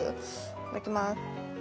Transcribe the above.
いただきます。